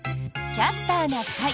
「キャスターな会」。